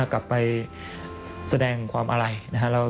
กลับไปแสดงความอะไรนะครับ